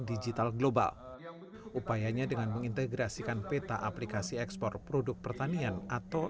digital global upayanya dengan mengintegrasikan peta aplikasi ekspor produk pertanian atau